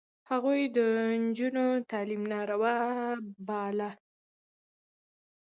هغوی د نجونو تعلیم ناروا باله.